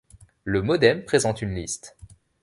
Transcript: Le MoDem présente une liste.